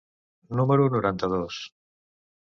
número noranta-dos.